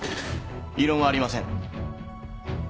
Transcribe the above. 異論はありません。